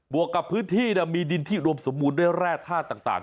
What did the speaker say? บวกกับพื้นที่มีดินที่รวมสมูทด้วยแร่ท่าต่าง